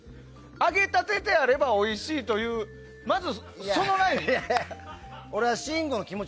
揚げたてであればおいしいというまず、そのライン。